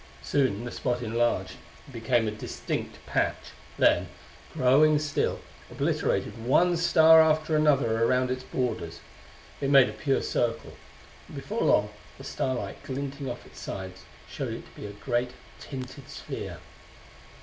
Soon the spot enlarged; became a distinct patch; then, growing still, obliterated one star after another around its borders. It made a pure circle; and before long the starlight glinting off its sides showed it to be a great, tinted sphere.